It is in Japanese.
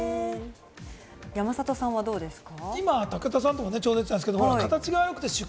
山里さんは、どうですか？